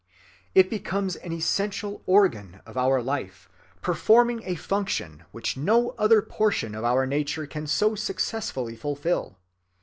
It becomes an essential organ of our life, performing a function which no other portion of our nature can so successfully fulfill.